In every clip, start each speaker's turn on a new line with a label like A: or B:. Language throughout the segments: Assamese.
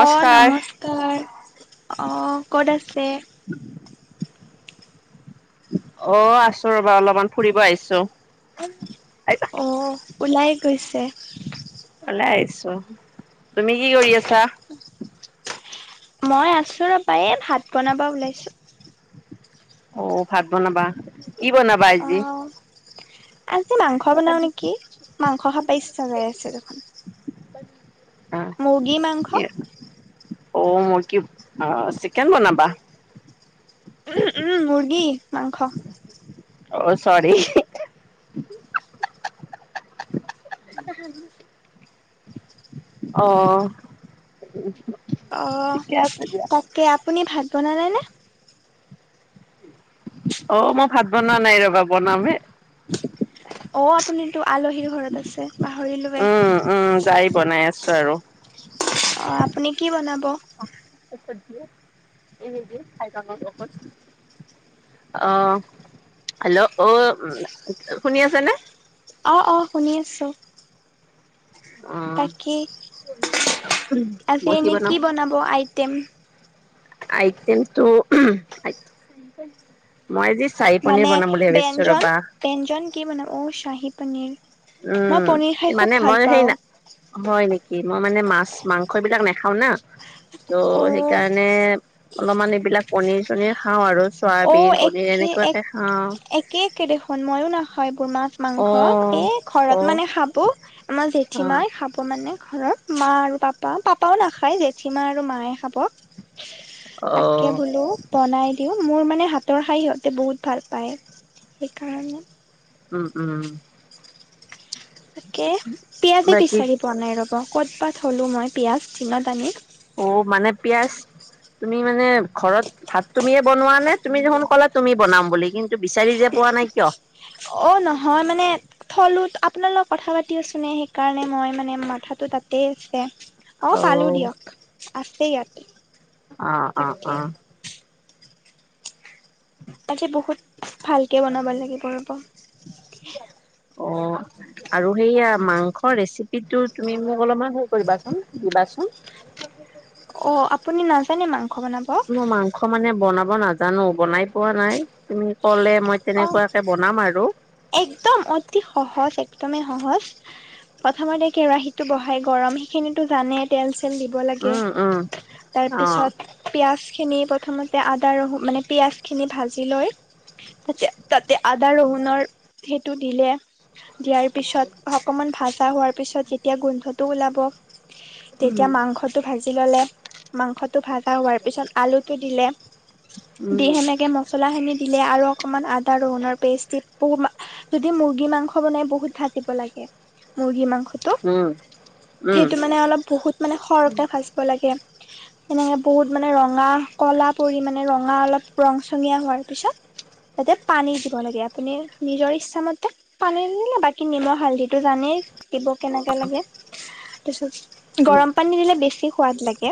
A: অ, নমস্কাৰ। অ ক'ত আছে?
B: [unintelligible] অ আছো ৰ'বা, অলপমান ফুৰিব আহিছো।
A: অ ওলাই গৈছে।
B: ওলাই তুমি কি কৰি আছা?
A: মই আছো ৰবা, এই ভাত বনাবা ওলাইছো।
B: অ ভাত বনাবা। কি বনাবা
A: অ
B: আজি?
A: আজি মাংস বনাওঁ নেকি, মাংস খাব ইচ্ছা জাই আছে দেখোন। মুগী মাংস।
B: অ মই কি, আহ চিকেন বনাবা।
A: উ মুৰ্গী মাংস।
B: অ চৰি। [unintelligible] অ।
A: অঁ
B: ঠিকে আছে দিয়া
A: তাকে, আপুনি ভাত বনালে নে?
B: অ মই ভাত বনোৱা নাই ৰবা, বনাম হে।
A: অ আপুনিতো আলহীৰ ঘৰত আছে। পাহৰিলোৱে।
B: উম উম যাই [unintelligible]
A: অ আপুনি কি বনাব?
B: [unintelligible] আহ হেল্ল', অ শুনি আছে নে?
A: অ অ শুনি আছো।
B: অ
A: বাকী আজি এনেই কি বনাব আইটেম?
B: আইটমটো মই আজি চাহী পনীৰ
A: মানে
B: বনাম বুলি ভাবিছো ৰবা
A: ব-ব্যঞ্জন-ব্যঞ্জন কি বনাব? অ, চাহী পনীৰ। মই
B: উম
A: পনীৰ খাই খুব
B: মানে
A: ভাল
B: মই সেই
A: পাওঁ
B: না, হয় নেকি। মই মানে মাছ-মাংস এইবিলাক নাখাওঁ না, ত'
A: অ
B: সেইকাৰণে অলপমান এইবিলাক পনিৰ-চনিৰ খাওঁ আৰু।
A: অ
B: চয়াবিন পনিৰ এনেকুৱাকে খাওঁ
A: একে-এক-একে-একে দেখোন, মই নাখাওঁ এইবোৰ মাছ
B: অ
A: মাংস। এই ঘৰত
B: অ
A: মানে খাব। আমাৰ জেঠি
B: অ
A: মাই খাব মানে মানে ঘৰৰত মা আৰু পাপা পাপাও নাখায় জেঠীমা আৰু মায়ে খাব।
B: অ
A: তাকে বোলো বনাই দিও মোৰ মানে হাতৰ খাৰ সিহঁতে বহুত ভাল পায় সেইকাৰণে
B: উম উম উ
A: তাকে পিঁয়াজে
B: বাকী
A: বিচাৰি বনাই ৰ'ব ক'তবাত থ'লোঁ মই পিঁয়াজ দিনত আনি
B: অ মানে পিয়াজ তুমি মানে ঘৰত ভাত তুমিয়ে বনোৱা নে তুমি দেখোন কলা তুমি বনাম বুলি কিন্তু বিচাৰি যে পোৱা নাই কিয়
A: অ নহয় মানে থলোত আপোনাৰ লগত কথা পাতিওছনেে সেইকাৰণে মই মানে মাথাাতো তাতেই আছে অঁ
B: অ
A: পালোঁ দিয়ক আছে ইয়াতে
B: অ অ অ
A: আজি বহুত ভালকে বনাব লাগিব ৰ'ব
B: অ আৰু সেইয়া মাংসৰ ৰেচিপি সটো তুমি মোক অলপমান সে কৰিবাচোন দিবাচোন
A: অ আপুনি নাজানে মাংস বনাব
B: মই মাংস মানে বনাব নাজানো বনাই পোৱা নাই তুমি ক'লে মই
A: অ
B: তেনেকুৱাকে বনাম আৰু
A: একদম অতি সহজ একদমেই সহজ প্ৰথম কেৰাহিতটো বহাই গৰম সেই খিনিতো জানে তে
B: উম, উম, অ'।
A: প খিনি প্ৰথমতে আদা ৰ মানে পিয়াজ খিনি ভাজি লৈ তা তাতে আদা ৰহুনৰৰ সেইটো দিলে দিয়াৰ পিছত অকনমান ভাজা হোৱাৰ পিছত যেতিয়া গোন্ধটো ওলাব তেতিয়া
B: উম,
A: মাংসটো ভাজি ল'লে মাংসটো ভাজা হোৱাৰ পিছত আলুটো দিলে দি
B: উম,
A: সেনেকে মছলা খিনি দিলে আৰু অকণমান আদা ৰহুণৰ পেষ্ট দি বু যদি মুৰ্গী মাংস বনাই বহুত ঢাকিব লাগে মুৰ্গী মাংসটো
B: উম, উম,
A: সেইটো মানে অলপ বহুত মানে সৰহকে ভাজিব লাগে [inaudible] সনেকে বহুত মানে ৰঙা কলা পৰি মানে ৰঙা অলপ ৰং চঙীয়া হোৱাৰ পিছত যাতে পানী দিব লাগে আপুনি নিজৰ ইচ্ছাামতে পানী নিলে বাকী নিমখ হালধিটো জানেই দিব কেনেকে লাগে তাৰত গৰম পানী দিলে বেছি সোৱাদ লাগে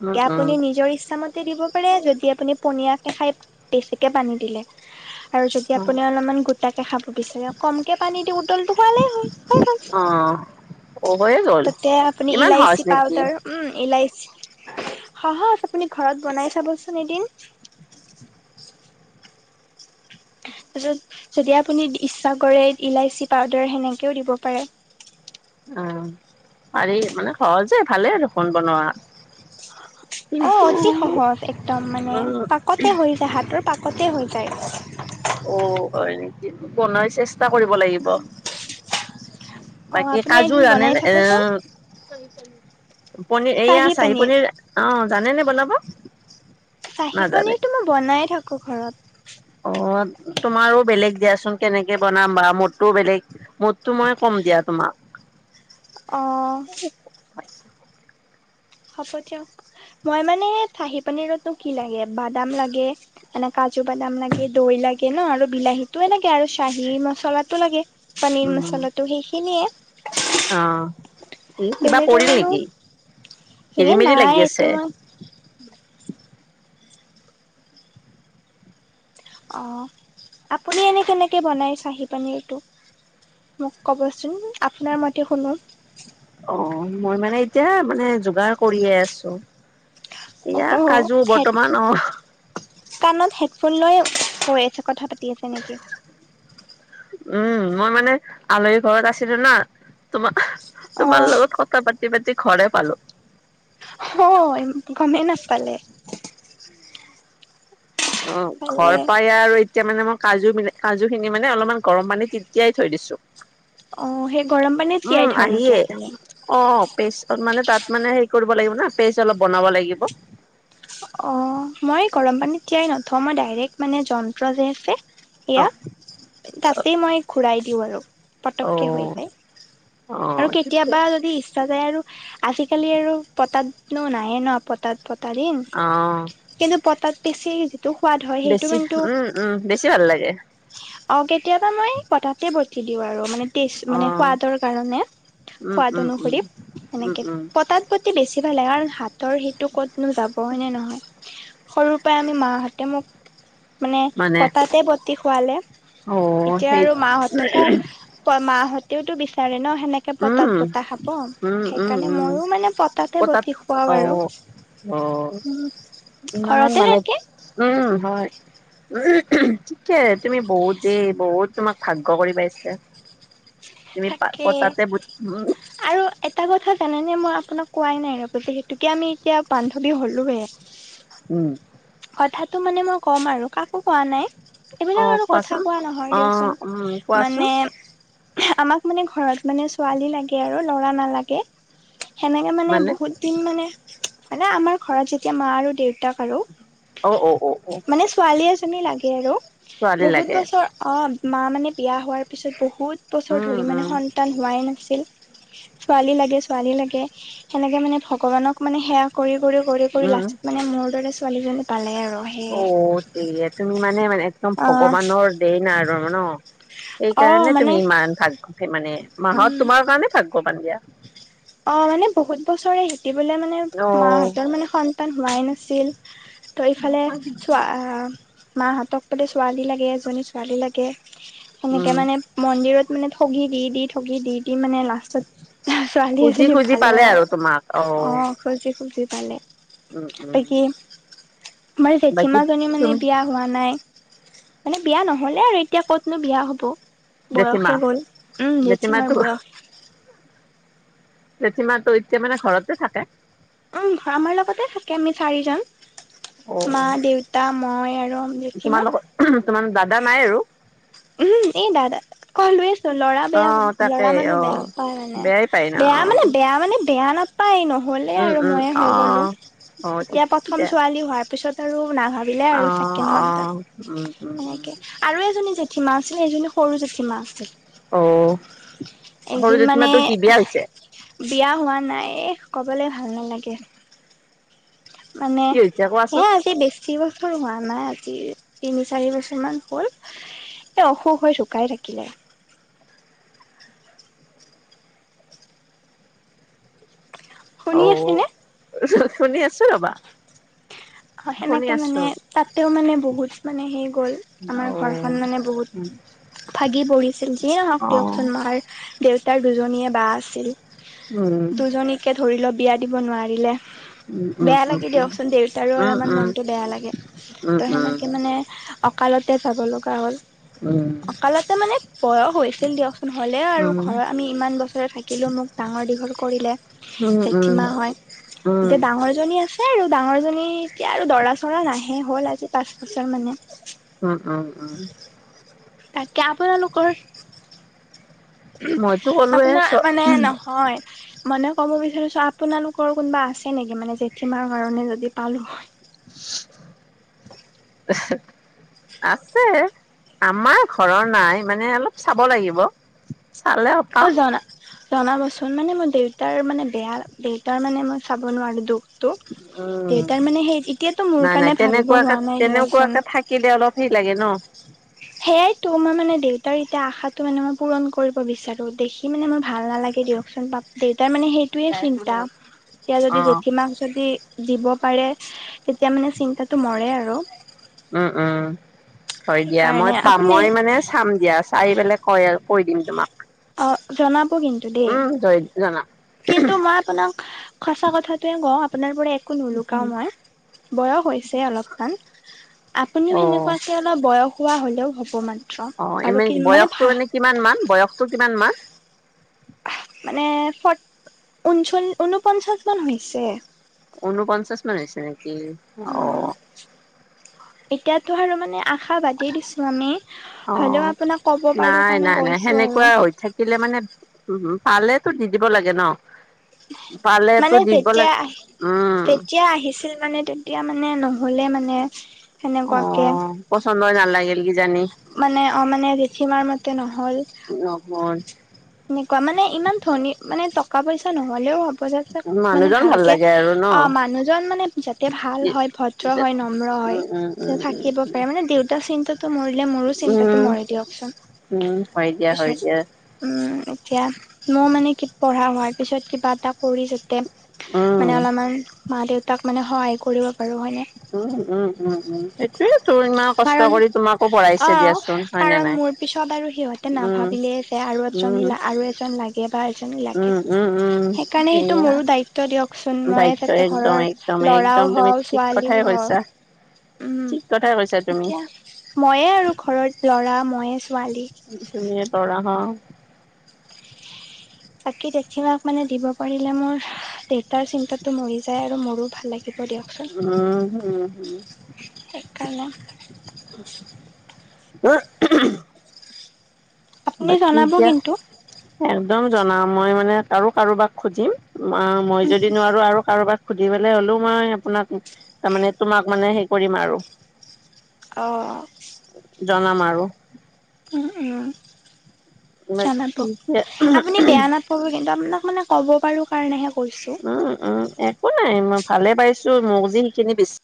B: উম, উম,
A: আপুনি নিজৰ ইচ্ছামতে দিব পাৰে যদি আপুনি পনিয়াকে খাই বেছিকে পানী ইল আৰু যদি
B: উম।
A: আপুনি অলপমান গোটে খাব বিচাৰে কমকে পানী দি উতলটো খোৱালেই হয়
B: অ অ' হৈয়ে গ'ল
A: তাতে আপুনি
B: ইমান সহজ
A: ইলাইচি
B: নেকি
A: পাউদাৰ উম ইলাইচি সাহজ আপুনি ঘৰত বনাই চাবচোন এদিন [inaudible] তাৰত যদি আপুনি ইচ্ছা কৰে ইলাইচি পাউদাৰ সেনেকেও দিব পাৰে [inaudible]
B: অ পাৰি মানে সহজে ভালে আৰু খোন বনোৱা
A: অ
B: কিন্তু
A: অতি সহজ একদম মানে
B: উম,
A: পাকতে হৈ যায় হাতৰ পাকত তে হৈ যায়
B: বনোৱাৰ চেষ্টা কৰিব লাগিব
A: অ
B: বাকী
A: আপুনি
B: কাজু
A: এদিন
B: আনেে
A: বনাই
B: ন
A: চাবচোন
B: এ পনিৰ এইয়া চাহি পনিৰ অ জানে নে বনাব
A: চাহী
B: নাজানে
A: পনীৰটো মই বনাই থাকোঁ ঘৰত
B: অ তোমাৰো বেলেগ দিয়াচোন কেনেকে বনাম বা মদটোও বেলেগ মদটো মই কম দিয়া তোমাক
A: অঁ হ'ব দিয়ক মই মানে থাহি পানীৰতো কি লাগে বাদাম লাগে এনেকা কাজু বাদাম লাগে দৈ লাগে ন আৰু বিলাহীতটো এনেকে আৰু চাহী মচলাটো লাগে। পনীৰ
B: উম
A: মচলাটো সেইখিনিয়ে।
B: অ এই কিবা পৰিল
A: বেলেগৰনো
B: নেকি?
A: সেই
B: খেলি মেলি
A: নাই
B: লাগি আছে।
A: এতিয়া মই অ' আপুনি এনেই কেনেকে বনায় চাহী পনীৰটো। মোক কবচোন আপোনাৰ মতে শুনো।
B: অ' মই মানে এতিয়া মানে যোগাৰ কৰিয়ে আছো। এয়া
A: অ'
B: কাজু
A: হেড
B: বৰ্তমান অ'।
A: ফোন লয় কৈ আছে কথা পাতি আছে নেকি?
B: উম, মই মানে আলহী ঘৰত আছিলো না। তোমাৰ তোমাৰ
A: অ'
B: লগত কথা পাতি পাতি ঘৰে পালোঁ।
A: হয়, গমেই নাপালে।
B: অ' ঘৰ
A: ভালে
B: পায়ে আৰু এ। এতিয়া মানে মই কাজু মিল কাজু খিনি মানে অলপমান গৰম পানী তে তিয়াই থৈ দিছোঁ।
A: অ' সেই গৰম পানীত তিয়াই থয় নেকি আপুনি?
B: পেষ্টত মানে তাত মানে হেৰি কৰিব লাগিব ন পেষ্ট অলপ বনাব লাগিব।
A: অ' মই গৰম পানীত তিয়াই নথওঁ। মই ডাইৰেক্ট মানে যন্ত্ৰ যে আছে। এয়া তাতেই মই ঘূৰাই দিওঁ আৰু।
B: অ অ
A: পতককে হৈ যায়
B: অ
A: আৰু
B: ঠিকে
A: কেতিয়াবা যদি ইচ্ছা যায় আৰু। আজিকালি আৰু পটাতনো নাইে ন পটাত পতা দিন।
B: অ
A: কিন্তু পতাক পিছি। টো সোৱাদ হয়, সেইটো
B: বেছি
A: কিন্তু
B: উম উম বেছি ভাল লাগে
A: অ' কেতিয়াবা মই পতাতে বতি দিওঁ আৰু
B: অ
A: পেষ্ট কাৰণে।
B: উম
A: সোৱাদ
B: উম উম
A: অনুসৰি
B: উম
A: সেনেকে
B: উম
A: পতাত পতি বেছি ভাল লাগে কাৰণ হাতৰ হেইটো। ক'তনো যাব হয়নে নহয় সৰুৰ পৰাই আমি মাহঁতে মোক। মানে পতাতে বতি খোৱালে।
B: অ
A: এতিয়া
B: সেই
A: আৰু মাহঁতকো মাহঁতেওতো বিচাৰে ন। সেনেকে
B: উম
A: পটাত বতাহ খাব,
B: উম উম
A: সেইকাৰণে
B: উম
A: ময়ো মানে পতাতে
B: পতাত
A: বতি খুৱাওঁ
B: অ
A: আৰু।
B: অ'
A: উম
B: ইমান
A: ঘৰতে
B: মানে
A: থাকে
B: উম হয়। [unintelligible] ঠিকে তুমি বহুতেই বহুত তোমাক ভাগ্য কৰি পাইছা।
A: থাকে আৰু এটা কথা। তেনে মই আপোনাক কোৱাই নাই ৰব যে সেইতোকে আমি এতিয়া বান্ধৱী হ'লোহে।
B: উম
A: কথাটো মানে মই ক'ম আৰু কাকো কোৱা নাই।
B: অ
A: এইবিলাক আৰু কথা
B: কোৱাচোন
A: কোৱা নহয়
B: অ
A: দিয়চোন
B: উম কোৱাচোন
A: মানে। আমাক মানে ঘৰত মানে ছোৱালী লাগে আৰু ল'ৰা নালাগে। সেনেকে মানে বহুত দিন মানে মানে আমাৰ ঘৰত যেতিয়া মা আৰু দেউতাক আৰু।
B: অ' অ' অ' অ'।
A: মানে ছোৱালী লাগে আৰু
B: ছোৱালী
A: বহুত
B: লাগে
A: বছৰ অ' মা মানে বিয়া হোৱাৰ পিছত বহুত। বছৰ
B: উম
A: ধৰি মানে
B: উম
A: সন্তান হোৱাই নাছিল। ছোৱালী লাগে ছোৱালী লাগে সেনেকে মানে ভগৱানক মানে সেৱা কৰি কৰি কৰি কৰি
B: উম
A: লাষ্টত মানে মোৰ দৰে ছোৱালীজনী পালে আৰু। সেয়ে।
B: অ' দ তুমি মানে মানে একদম
A: অ'
B: ভগৱানৰ দে নাই আৰু ন।
A: অ',
B: সেইকাৰণে
A: মানে
B: তুমি ইমান ভাকে মানে মাহত
A: উম,
B: তোমাৰ কাৰণে ভাগৱান দিয়া।
A: অ' মানে বহুত বছৰে শিকিবলৈ মানে
B: অ
A: মাহঁতৰ মানে সন্তান হোৱাই নাছিল। তো এইফালে চোৱা। মাহঁতক বোলে ছোৱালী লাগে এজনী ছোৱালী লাগে
B: উম
A: সেনেকে মানে মন্দিৰত মানে ঠগি দি দি ঠগি দি দি মানে লাষ্টত। ছোৱালী
B: খুজি
A: এজনী
B: খুজি
A: ভালে
B: পালে তোমাক
A: আৰু অ' খুজি খুজি পালে।
B: উম উম
A: বাকী
B: বাকী
A: জেঠীমা জনি মানে
B: তুমি
A: বিয়া হোৱা নাই। মানে বিয়া নহ'লে আৰু এতিয়া কতনো বিয়া হ'ব।
B: জেঠীমা
A: বয়সে গ'ল, উম, জেঠিমাৰ
B: জেঠীমাটো
A: বয়স।
B: [unintelligible] ত' এতিয়া মানে ঘৰতে থাকে।
A: উম, আমাৰ লগতে থাকে আমি চাৰিজন
B: অ অ
A: মা দেউতা মই আৰু জেঠীমা
B: তোমাৰ লোকৰ দাদা নাই আৰু?
A: উম, এ দাদা [unintelligible] ল'ৰা
B: অ
A: বেয়া
B: তাকে
A: ল'ৰা মানুহ
B: অ
A: বেয়া পায় মানে।
B: বেয়াই পায় ন
A: বেয়া
B: অ অ
A: মানে বেয়া মানে বেয়া নাপায় ন। হ'লে
B: উম
A: আৰু
B: উম
A: মইয়ে
B: অ
A: হৈ গ'লো
B: অ ঠিক
A: এতিয়া প্ৰথম
B: দে
A: ছোৱালী হোৱাৰ পিছত আৰু নাভাবিলে
B: অ
A: আৰু চেকেণ্ড
B: অ
A: সন্তান
B: উম উম উম
A: সেনেকে আৰু এজনী [unintelligible] এইজনী সৰু জেঠীমা।
B: অ',
A: একদিন
B: সৰু
A: মানে
B: জেঠীমাটো কি বিয়া হৈছে?
A: বিয়া হোৱা নাই ক'বলৈ ভাল নালাগে। মানে
B: কি হৈছে কোৱাচোন
A: সেয়া আজি বেছি হোৱা নাই আজি তিনি চাৰি বছৰ মান হ'ল। এ অসুখ হৈ ঢুকাই থাকিলে। শুনি
B: অ',
A: আছেনে
B: শুনি আছো ৰ'বা। শুনি
A: সেনেকে মানে
B: আছো
A: তাতেও মানে বহুত মানে হেই গ'ল আমাৰ
B: অ
A: ঘৰখন মানে বহুত
B: উম
A: ভাগি পৰিছিল যি হওঁক দিয়কচোন মাৰ দেউতাৰ দুজনীয়ে বা আছিল
B: উম
A: দুজনীকে ধৰি লওঁক বিয়া দিব নোৱাৰিলে।
B: উম উম উম উম উম
A: বেয়া
B: উম উম উম উম উম উম উম
A: লাগে দিয়কচোন দেউ অলপমান মনটো বেয়া লাগে ত' সেনেকৈ মানে অকালতে যাব লগা হ'ল।
B: উম। উম
A: অকালতে মানে বয়স হৈছিল দিয়কচোন হ'লে আৰু ঘৰৰ আমি ইমান বছৰে থাকিলো মোক ডাঙৰ ডাঙৰ দীঘল কৰিলে জেঠীমা হয়। এতিয়া ডাঙৰজনী আছে। সেই আৰু ডাঙৰজনী এতিয়া আৰু দৰা চৰা নাহে হ'ল আজি পাঁচ বছৰ মানে।
B: উম, উম, উম।
A: তাকে, আপোনালোকৰ?
B: মইতো ক'লোৱে চ
A: আপোনাৰ মানে নহয় মানে ক'ব বিচাৰিছো আপোনালোকৰ কোনোবা আছে নেকি? মানে জেঠূমাৰ কাৰণে যদি পালো হয়।
B: আছে আমাৰ ঘৰৰ নাই মানে অলপ চাব লাগিব চালে
A: অ
B: পাম।
A: জনা জনাবচোন মানে মোৰ দেউতাৰ মানে বেয়া দেউতাৰ মানে মই চাব নোৱাৰো দুখটো।
B: উম,
A: দেউতাৰ মানে সেই এতিয়াতো মোৰ
B: নাই নাই
A: কাৰণে ভাবিব
B: তেনেকুৱাকে
A: হোৱা নাই দিয়কচোন
B: তেনেকুৱাকে থাকিলে অলপ সেই লাগে ন। [inaudible]
A: সেইয়াইতো মই মানে দেউতাৰ এতিয়া আশাটো মানে মই পূৰণ কৰিব বিচাৰো। দেখি মানে মোৰ ভাল নালাগে। দিয়কচোন পাপ দেউতাৰ মানে সেইটোয়ে চিন্তা, তেওঁ
B: অ
A: যদি জেঠীমাক যদি দিব পাৰে, তেতিয়া মানে চিন্তাটো মৰে আৰু।
B: উম, উম হয় দিয়া, মই
A: সেইকাৰণে
B: পাম
A: আপুনি
B: মই মানে চাম দিয়া, চাই পেলাই কৈ কৈ দিম তোমাক।
A: অ', জনাব কিন্তু দেই।
B: উম জয় জনাম
A: কিন্তু মই আপোনাক সঁচা কথাটোৱে কওঁ আপোনাৰ পৰা একো নুলুকাও মই, বয়স হৈছে অলপমান। আপুনিও
B: অ
A: সেনেকুৱাকে অলপ বয়স হোৱা হ'লেও হ'ব মানে।
B: অ', এনে
A: আৰু কি
B: মানে বয়সটো
A: ভা
B: মানে কিমান মান? বয়সটো কিমান মান?
A: মানে ফট ঊনচল্লি ঊনপঞ্চাশ মান হৈছে।
B: ঊনপঞ্চাশ মান হৈছে নেকি?
A: অ
B: অহ।
A: এতিয়াতো আৰু মানে আশা বাদে দিছোঁ আমি।
B: অ
A: হ'লেও আপোনাক ক'ব পাৰো
B: নাই
A: কাৰণে কৈছোঁ আৰু।
B: হম, হম পালেতো দি দিব লাগে ন। পালেতো
A: মানে
B: দিব
A: যেতিয়া
B: লাগে
A: আহ
B: উম
A: যেতিয়া আহিছিল মানে তেতিয়া মানে ন হ'লে মানে সেনেকুৱাকে
B: অ', পচন্দই নালাগিল কিজানি!
A: মানে অ' মানে জেঠীমাৰ মতে নহ'ল। টকা-পইচা নহ'লেও হ'ব। [unintelligible] মানে
B: মানুহজন ভাল
A: ভালকে,
B: লাগে আৰু ন
A: অ', মানুহজন মানে যাতে ভাল
B: উম
A: হয়, ভদ্ৰ হয়, নম্ৰ হয়।
B: উম উম
A: হয়,
B: উম
A: থাকিব পাৰে, মানে দেউতাৰ চিন্তাটো মৰিলে মোৰো চিন্তাটো
B: উম
A: মৰে দিয়কচোন।
B: উম হয় দিয়া, হয়
A: পিছত
B: দিয়া।
A: উম এতিয়া মই মানে পঢ়া হোৱাৰ পিছত কিবা এটা কৰিম তেতিয়া।
B: উম
A: মানে অলপমান মা-দেউতাক মানে সহায় কৰিব পাৰিম হয়নে?
B: উম, উম, উম, উম, সেইটোৱেটো ইমান কষ্ট
A: কাৰণ
B: কৰি তোমাকো পঢ়াইছে
A: অ',
B: দিয়াচোন, হয় নে
A: কাৰণ
B: নাই?
A: মোৰ পিছত আৰু সিহঁতে
B: উম
A: নাভাবিলে যে আৰু
B: উম
A: এজনী আৰু এজন লাগে বা লাগে,
B: উম উম উম
A: সেইকাৰণে সেইটো
B: এয়া
A: মোৰো দায়িত্ব দিয়ক। চোন ময়ে
B: দায়িত্ব
A: তাতে
B: একদম
A: ঘৰৰ
B: একদম একদম
A: ল'ৰাও
B: তুমি
A: হওঁ,
B: ঠিক কথাই
A: ছোৱালীও হওঁ।
B: কৈছা
A: উম,
B: ঠিক কথাই কৈছা তুমি
A: এতিয়া ময়ে আৰু ঘৰত ল'ৰা, ময়ে ছোৱালী।
B: তুমিয়ে ল'ৰা ন?
A: তাকে জেঠীমাক মানে দিব পাৰিলে, মোৰ দেউতাৰ চিন্তাতটো মৰি যায় আৰু মোৰো ভাল লাগে।
B: উম,
A: সেইকাৰণে
B: উম, উম। [unintelligible]
A: আপুনি
B: বাকী
A: জনাব
B: এতিয়া
A: কিন্তু
B: একদম জনাম, মই মানে আৰু কাৰোবাক সুজিম মই
A: উম,
B: যদি নোৱাৰো আৰু কাৰোবাক সুধি পেলাই হ'লেও মই আপোনাক, তাৰমানে তোমাক মানে সেই কৰিম আৰু।
A: অ'।
B: জনাম আৰু।
A: উম, উম,
B: উম
A: জনাব, আপুনি বেয়া নাপাব কিন্তু আপোনাক মানে ক'ব পাৰো কাৰণেহে। কৈছোঁ।
B: উম, উম একো নাই মই ভালে পাইছো, মোক যে সেইখিনি বি